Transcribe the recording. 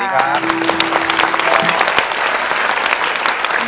ร้องได้ให้ล้าน